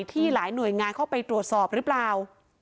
ที่หลายหน่วยงานเข้าไปตรวจสอบหรือเปล่า